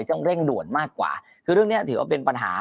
มีอะไรมีอะไรต้องเร่งด่วนมากกว่าเพื่อเรื่องนี้ถือว่าเป็นปัญหา